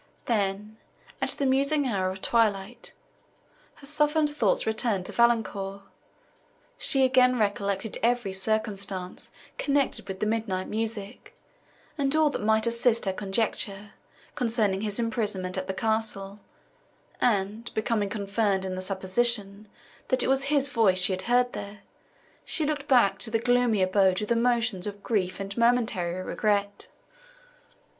Then, at the musing hour of twilight, her softened thoughts returned to Valancourt; she again recollected every circumstance, connected with the midnight music, and all that might assist her conjecture, concerning his imprisonment at the castle, and, becoming confirmed in the supposition, that it was his voice she had heard there, she looked back to that gloomy abode with emotions of grief and momentary regret.